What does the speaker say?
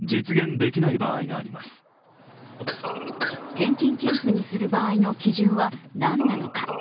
現金給付にする場合の基準は何なのか。